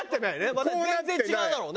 また全然違うだろうね。